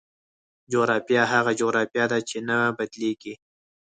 جغرافیه هغه جغرافیه ده چې نه بدلېږي.